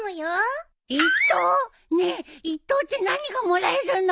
ねえ１等って何がもらえるの？